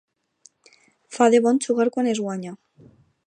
Fa de bon jugar quan es guanya.